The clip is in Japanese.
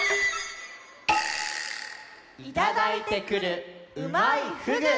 「いただいてくるうまいふぐ」！